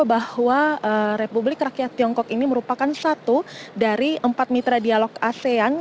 bahwa republik rakyat tiongkok ini merupakan satu dari empat mitra dialog asean